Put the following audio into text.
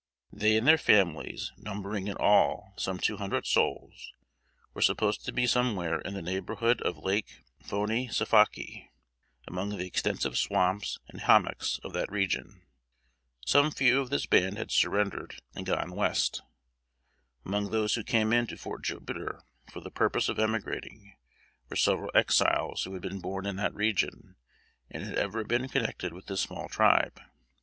They and their families, numbering in all some two hundred souls, were supposed to be somewhere in the neighborhood of Lake "Fonee Safakee," among the extensive swamps and hommocks of that region. Some few of this band had surrendered and gone West. Among those who came in to Fort Jupiter for the purpose of emigrating, were several Exiles who had been born in that region, and had ever been connected with this small tribe.